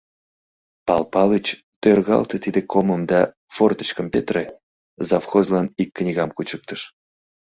— Пал Палыч, тӧргалте тиде комым да форточкым петыре, — завхозлан ик книгам кучыктыш.